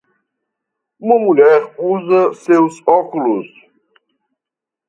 uma mulher usa seus óculos.